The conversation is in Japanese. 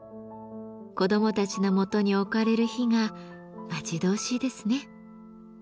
子どもたちのもとに置かれる日が待ち遠しいですね。